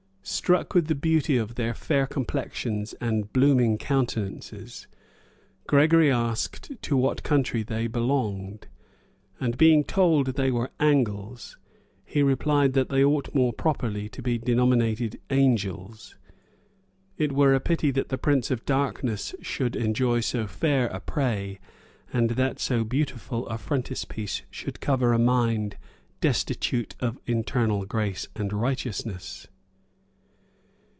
Struck with the beauty of their fair complexions and blooming countenances, Gregory asked to what country they belonged; and being told they were "Angles," he replied that they ought more properly to be denominated "angels." it were a pity that the prince of darkness should enjoy so fair a prey, and that so beautiful a frontispiece should cover a mind destitute of internal grace and righteousness.